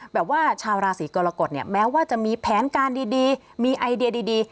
แปลว่าชาวราศีกรกฎเนี่ยแม้ว่าจะมีแผนการดีมีไอเดียดี